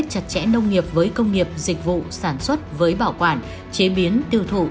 trẻ nông nghiệp với công nghiệp dịch vụ sản xuất với bảo quản chế biến tiêu thụ